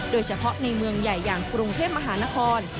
โดยเฉพาะในเมืองใหญ่อย่างกรุงเทพมหานคร